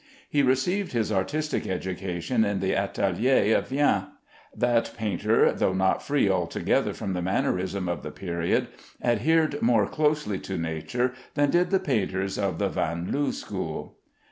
He received his artistic education in the atelier of Vien. That painter, though not free altogether from the mannerism of the period, adhered more closely to nature than did the painters of the Vanloo school.